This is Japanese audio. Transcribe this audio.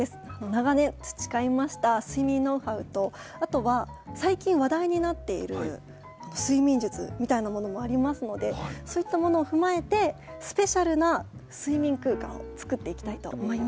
長年培いました睡眠ノウハウとあとは最近話題になっている睡眠術みたいなものもありますのでそういったものを踏まえてスペシャルな睡眠空間を作っていきたいと思います。